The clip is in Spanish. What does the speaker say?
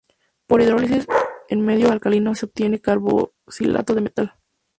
Por hidrólisis en medio alcalino se obtiene carboxilato de metal.